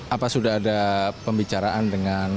apa sudah ada pembicaraan dengan